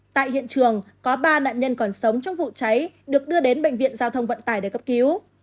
tại hiện trường có ba nạn nhân còn sống trong vụ cháy được đưa đến bệnh viện giao thông vận tải để cấp cứu